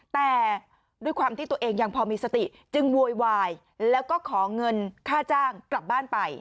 แต่ด้วยความที่ตัวเองยังพอมีสติจึงโวยวายแล้วก็ขอเงินค่าจ้างกลับบ้านไป